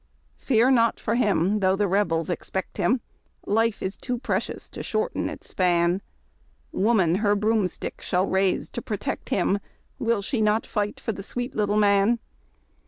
Fear not for him though the Rebels expect him, — Life is too precious to shorten its span; Woman her broomstick. shall raise to protect him. Will she not fight for the sweet little man